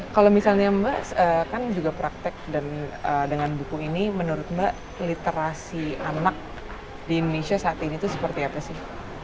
kalau misalnya mbak kan juga praktek dengan buku ini menurut mbak literasi anak di indonesia saat ini tuh seperti apa sih